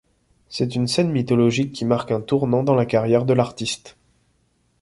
C'est une scène mythologique qui marque un tournant dans la carrière de l’artiste.